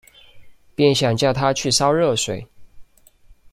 便想叫她去烧热水